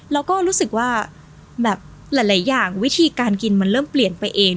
แล้วก็รู้สึกว่าแบบหลายอย่างวิธีการกินมันเริ่มเปลี่ยนไปเอง